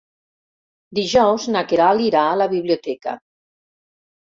Dijous na Queralt irà a la biblioteca.